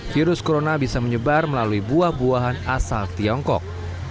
virus corona bisa menyebar melalui buah buahan asal tiongkok